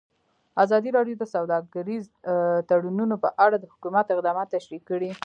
ازادي راډیو د سوداګریز تړونونه په اړه د حکومت اقدامات تشریح کړي.